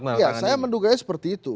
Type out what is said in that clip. ya saya menduganya seperti itu